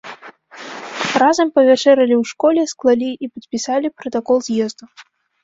Разам павячэралі ў школе, склалі і падпісалі пратакол з'езду.